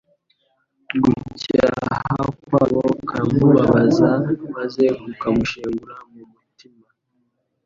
Gucyaha kwabo karamubabazaga maze kukamushengura mu mutima.